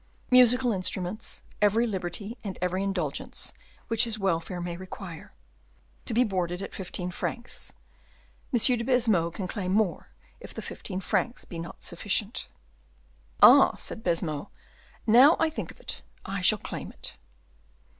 Musical instruments; every liberty and every indulgence which his welfare may require; to be boarded at fifteen francs. M. de Baisemeaux can claim more if the fifteen francs be not sufficient." "Ah," said Baisemeaux, "now I think of it, I shall claim it."